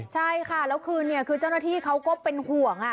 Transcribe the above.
ใช่ค่ะแล้วคือเนี่ยเจ้าหน้าที่เป็นห่วง